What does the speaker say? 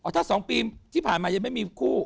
ถ้า๒ปีที่ผ่านมายังไม่มีคู่